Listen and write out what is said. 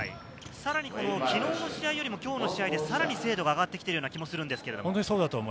さらに昨日の試合よりも今日の試合で精度が上がってきている気がするんですけれども。